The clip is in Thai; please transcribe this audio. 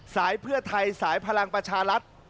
เพื่อไทยสายพลังประชารัฐ